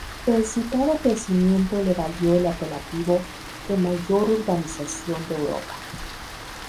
El citado crecimiento le valió el apelativo de mayor urbanización de Europa.